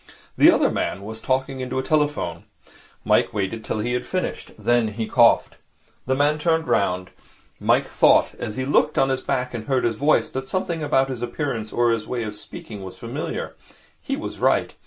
The other man was talking into a telephone. Mike waited till he had finished. Then he coughed. The man turned round. Mike had thought, as he looked at his back and heard his voice, that something about his appearance or his way of speaking was familiar. He was right.